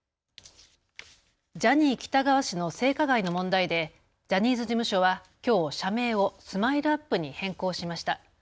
ジャニー喜多川氏の性加害の問題でジャニーズ事務所はきょう社名をＳＭＩＬＥ−ＵＰ．に変更しました。